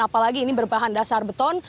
apalagi ini berbahan dasar beton